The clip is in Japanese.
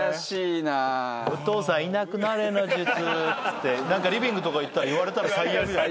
お父さんいなくなれの術っつってリビングとか行って言われたら最悪だよ。